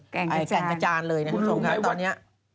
แกร่งกระจานเลยนะฮะ